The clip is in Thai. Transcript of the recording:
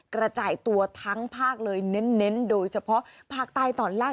กระจายตัวทั้งภาคเลยเน้นโดยเฉพาะภาคใต้ตอนล่าง